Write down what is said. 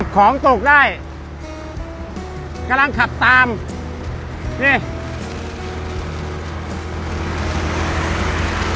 ของตกได้กำลังขับตามนี่